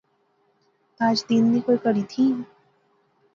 تاج دین نی کوئی کڑی تھی؟